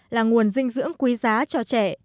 là nguồn dinh dưỡng quý giá cho trẻ